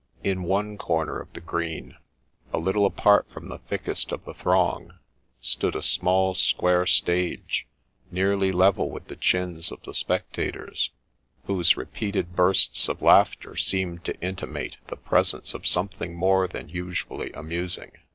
In one corner of the green, a little apart from the thickest of the throng, stood a small square stage, nearly level with the chins of the spectators, whose repeated bursts of laughter seemed to intimate the presence of something more than usually amusing.